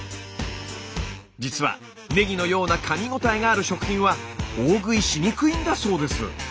実はねぎのようなかみごたえがある食品は大食いしにくいんだそうです。